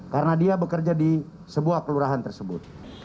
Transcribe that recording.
karena dia bekerja di sebuah kelurahan tersebut